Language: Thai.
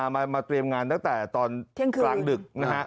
มาเตรียมงานตั้งแต่ตอนเที่ยงคืนกลางดึกนะฮะ